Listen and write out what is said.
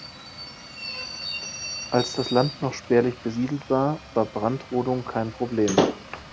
Als das Land noch spärlich besiedelt war, war Brandrodung kein Problem.